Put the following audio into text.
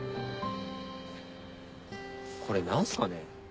これ何すかね？